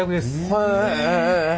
へえ。